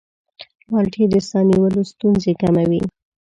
مالټې د ساه نیولو ستونزې کموي.